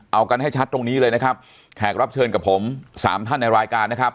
เอากันให้ชัดตรงนี้เลยนะครับแขกรับเชิญกับผมสามท่านในรายการนะครับ